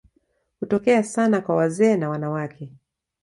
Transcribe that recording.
Hutokea sana kwa wazee na wanawake.